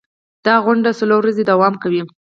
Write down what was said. دا غونډه څلور ورځې دوام کوي.